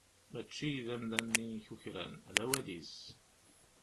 Mačči d amdan-nni i kukran, d awal-is.